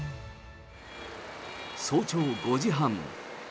早朝５時半。